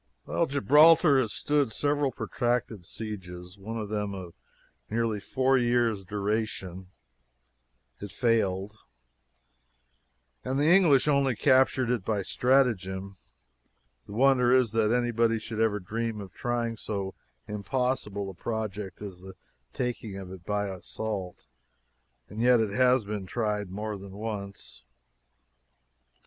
Gibraltar has stood several protracted sieges, one of them of nearly four years' duration (it failed), and the English only captured it by stratagem. The wonder is that anybody should ever dream of trying so impossible a project as the taking it by assault and yet it has been tried more than once.